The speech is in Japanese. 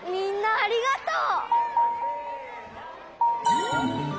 ありがとう。